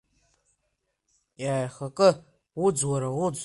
Иааихакы, уӡ, уара, уӡ!